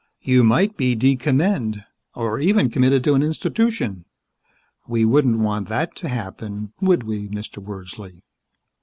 "You might be decommed. Or even committed to an institution. We wouldn't want that to happen, would we, Mr. Wordsley?"